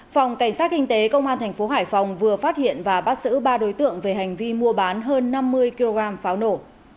phòng cảnh sát kinh tế công an thành phố hải phòng vừa phát hiện và bắt xử ba đối tượng về hành vi mua bán hơn năm mươi kg pháo nổ